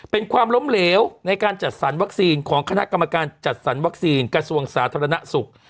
เป็นความล้มเหลวในการจัดสรรวัคซีนของคณะกรรมการจัดสรรวัคซีนกระทรวงสาธารณสุข